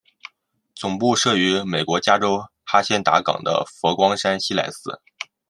总部设于美国加州哈仙达岗的佛光山西来寺。